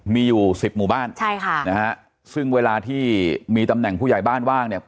มีอยู่สิบหมู่บ้านใช่ค่ะนะฮะซึ่งเวลาที่มีตำแหน่งผู้ใหญ่บ้านว่างเนี่ย